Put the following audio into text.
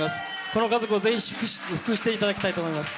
この家族をぜひ祝福していただきたいと思います。